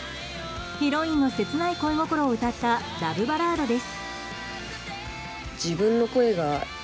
ヒロインの切ない恋心を歌ったラブバラードです。